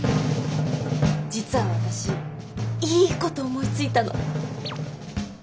実は私いいこと思いついたの。